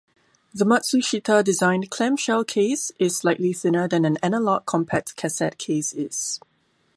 The Matsushita-designed clam-shell case is slightly thinner than an analog compact cassette case is.